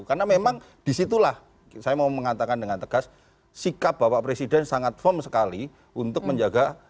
karena memang disitulah saya mau mengatakan dengan tegas sikap bapak presiden sangat firm sekali untuk menjaga demokrasi